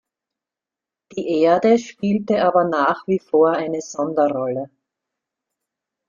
Die Erde spielte aber nach wie vor eine Sonderrolle.